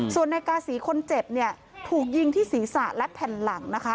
ส่วนนายกาศีคนเจ็บเนี่ยถูกยิงที่ศีรษะและแผ่นหลังนะคะ